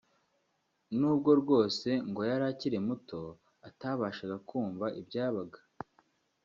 nubwo rwose ngo yari akiri muto atabashaga kumva ibyabaga